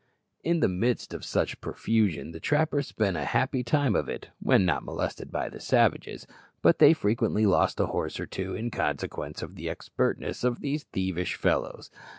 In the midst of such profusion the trappers spent a happy time of it, when not molested by the savages, but they frequently lost a horse or two in consequence of the expertness of these thievish fellows.